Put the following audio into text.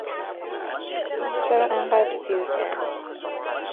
چرا این قدر دیر کردی؟